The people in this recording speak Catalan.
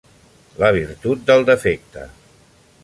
La virtut del defecte.